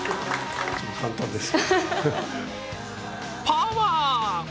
パワー。